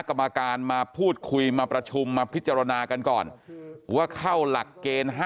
กรรมการมาพูดคุยมาประชุมมาพิจารณากันก่อนว่าเข้าหลักเกณฑ์๕